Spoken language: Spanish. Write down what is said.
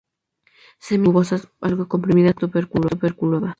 Semillas subglobosas, algo comprimidas, tuberculadas.